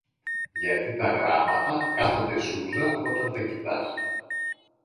Γιατί τα γράμματα κάθονται σούζα όταν τα κοιτάς